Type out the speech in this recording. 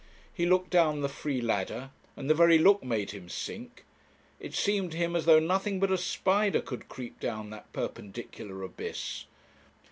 He looked down the free ladder, and the very look made him sink. It seemed to him as though nothing but a spider could creep down that perpendicular abyss.